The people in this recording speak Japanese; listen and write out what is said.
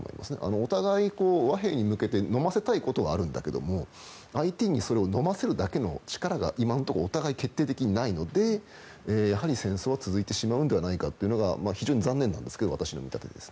お互い、和平に向けてのませたいことはあるんだけども、相手にそれをのませるだけの力が今のところお互い決定的にないのでやはり戦争は続いてしまうのではないかが、私は残念なんですけど私の見立てです。